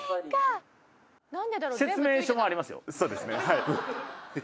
「そうですねはい」